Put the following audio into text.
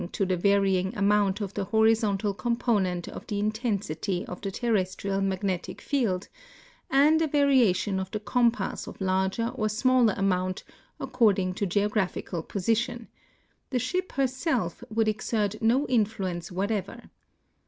m the varying amount of the horizontal component of the intensity of the terrestrial magnetic field, and a variation of the compa.ss of larger or smaller amount according to geographical position— the ship herself would exert no intluence wliatever.